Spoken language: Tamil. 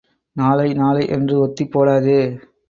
நாளை நாளை என்று ஒத்திப் போடாதே!